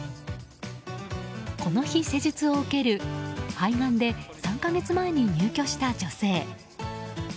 この日、施術を受ける肺がんで３か月前に入居した女性。